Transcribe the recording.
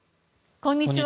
こんにちは。